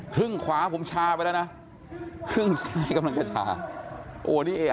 ครึ่งขวาผมชาไปแล้วนะครึ่งซ้ายกำลังจะชาโอ้นี่เออ่ะ